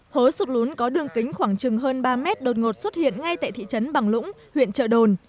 hố sụt lún có đường kính khoảng chừng hơn ba mét đột ngột xuất hiện ngay tại thị trấn bằng lũng huyện trợ đồn